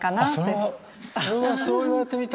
それはそれはそう言われてみたら。